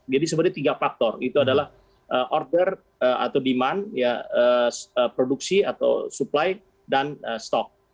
jadi sebenarnya tiga faktor itu adalah order atau demand produksi atau supply dan stock